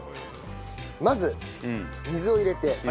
まず水を入れて。